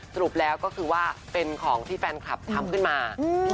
สรุปแล้วก็คือว่าเป็นของที่แฟนคลับทำขึ้นมา